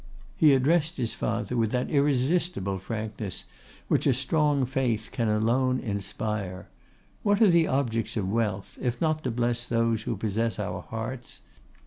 He addressed his father with that irresistible frankness which a strong faith can alone inspire. What are the objects of wealth, if not to bless those who possess our hearts?